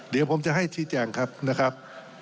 เดี๋ยวผมจะให้ชี้แจงครับนะครับ